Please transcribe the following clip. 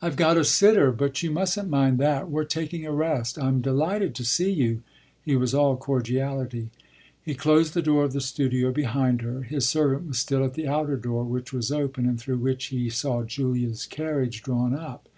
"I've got a sitter, but you mustn't mind that; we're taking a rest. I'm delighted to see you" he was all cordiality. He closed the door of the studio behind her; his servant was still at the outer door, which was open and through which he saw Julia's carriage drawn up.